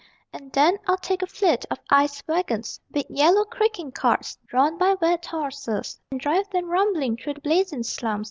And then I'd take a fleet of ice wagons Big yellow creaking carts, drawn by wet horses, And drive them rumbling through the blazing slums.